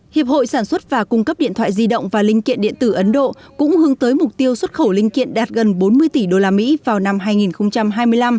hiệp hội sản xuất và cung cấp điện thoại di động và linh kiện điện tử ấn độ cũng hướng tới mục tiêu xuất khẩu linh kiện đạt gần bốn mươi tỷ usd vào năm hai nghìn hai mươi năm